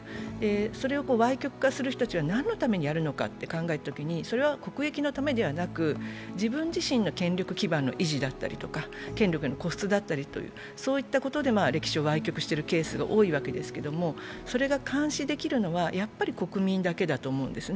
それをわい曲化する人たちは何のためにやるのかと考えたときにそれは国益のためではなく、自分自身の権力基盤の維持だったりとか、権力の固執だったり、そういうことで歴史をわい曲していることがあるんですが、それが監視できるのは、やはり国民だけだと思うんですね。